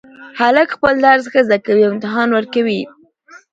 هلک خپل درس ښه زده کوي او امتحان ورکوي